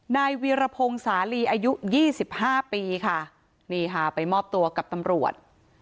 นายวีรพงศ์สาลีอายุยี่สิบห้าปีค่ะนี่ค่ะไปมอบตัวกับตำรวจ